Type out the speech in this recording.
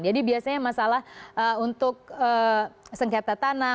jadi biasanya masalah untuk sengketa tanah